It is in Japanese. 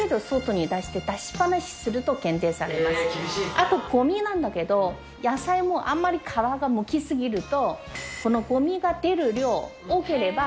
あとゴミなんだけど野菜もあんまり皮はむきすぎるとこのゴミが出る量多ければ減点されます。